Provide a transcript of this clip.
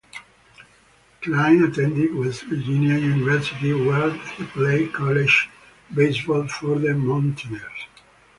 Kline attended West Virginia University, where he played college baseball for the Mountaineers.